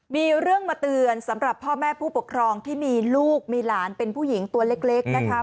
มีเรื่องมาเตือนสำหรับพ่อแม่ผู้ปกครองที่มีลูกมีหลานเป็นผู้หญิงตัวเล็กนะคะ